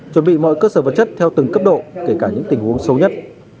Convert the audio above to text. chuẩn bị mọi cơ sở vật chất theo từng cấp độ kể cả những tình huống xấu nhất